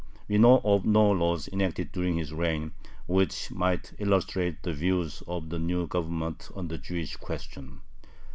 We know of no laws enacted during his reign which might illustrate the views of the new Government on the Jewish question.